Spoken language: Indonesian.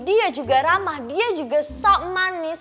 dia juga ramah dia juga sok manis